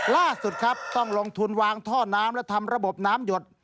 ล่าสุดครับต้องลงทุนวางท่อน้ำและทำระบบน้ำหยด